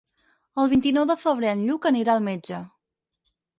El vint-i-nou de febrer en Lluc anirà al metge.